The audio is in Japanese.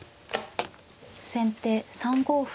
先手３五歩。